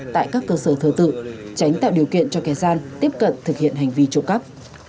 tại các cơ sở thờ tự tránh tạo điều kiện cho kẻ gian tiếp cận thực hiện hành vi trộm cắp